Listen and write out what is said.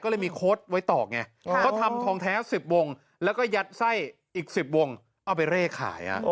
ก็เลยมีโค้ดไว้ต่อไงเขาทำทองแท้๑๐วงแล้วก็ยัดไส้อีก๑๐วงเอาไปเร่ขาย